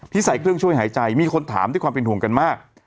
ใส่เครื่องช่วยหายใจมีคนถามด้วยความเป็นห่วงกันมาก